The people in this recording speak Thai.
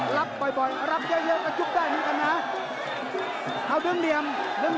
ยัดบอยรับเยอะกระจุยุบด้านที่กันนะ